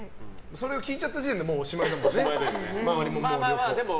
それを聞いちゃった時点でもうおしまいだもんね、周りも。